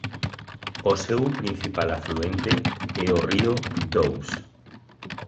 O seu principal afluente é o río Doubs.